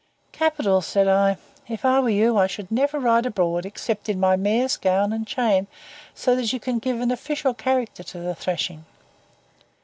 "Capital," said I. "If I were you I should never ride abroad except in my mayor's gown and chain, so that you can give an official character to the thrashing."